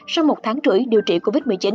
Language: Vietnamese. sau một tháng rưỡi điều trị covid một mươi chín